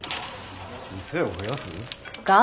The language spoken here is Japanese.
店を増やす？